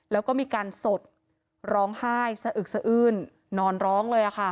แล้วก็มีการสดร้องไห้สะอึกสะอื้นนอนร้องเลย